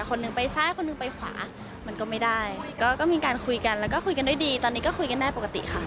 คนหนึ่งไปซ้ายคนนึงไปขวามันก็ไม่ได้ก็มีการคุยกันแล้วก็คุยกันด้วยดีตอนนี้ก็คุยกันได้ปกติค่ะ